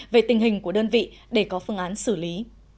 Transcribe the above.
về tình hình của đơn vị để có phương án xử lý